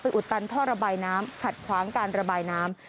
อุดตันท่อระบายน้ำขัดขวางการระบายน้ำ